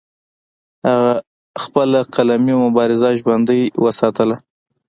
خپله قلمي مبارزه ژوندۍ اوساتله